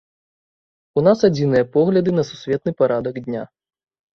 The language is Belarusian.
У нас адзіныя погляды на сусветны парадак дня.